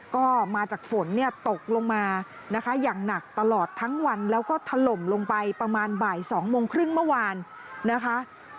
ก็มาจากฝนเนี่ยตกลงมานะคะอย่างหนักตลอดทั้งวันแล้วก็ถล่มลงไปประมาณบ่าย๒โมงครึ่งเมื่อวานนะคะ